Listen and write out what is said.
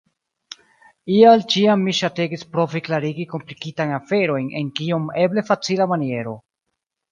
Ial ĉiam mi ŝategis provi klarigi komplikitajn aferojn en kiom eble facila maniero.